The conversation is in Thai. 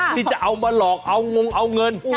ที่จะเอามาหลอกเอางงเอาเงิน